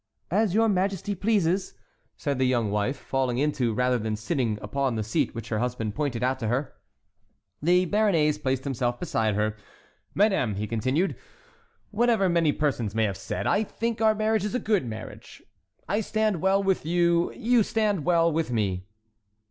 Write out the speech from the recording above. "As your Majesty pleases," said the young wife, falling into, rather than sitting upon the seat which her husband pointed out to her. The Béarnais placed himself beside her. "Madame," he continued, "whatever many persons may have said, I think our marriage is a good marriage. I stand well with you; you stand well with me."